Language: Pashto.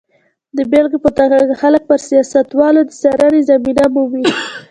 د بېلګې په توګه خلک پر سیاستوالو د څارنې زمینه مومي.